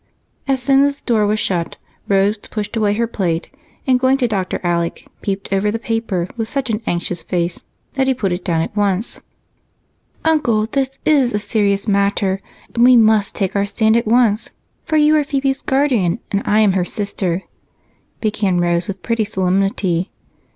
As soon as the door was shut Rose pushed away her plate and, going to Dr. Alec, she peeped over the paper with such an anxious face that he put it down at once. "Uncle, this is a serious matter, and we must take our stand at once, for you are Phebe's guardian and I am her sister," began Rose with pretty solemnity.